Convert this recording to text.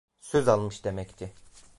Söz almış demekti…